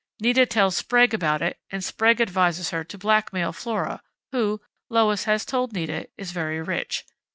Nita tells Sprague about it, and Sprague advises her to blackmail Flora, who, Lois has told Nita, is very rich.